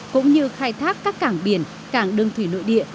cũng như khai thác các cảng biển cảng đường thủy nội địa